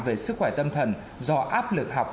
về sức khỏe tâm thần do áp lực học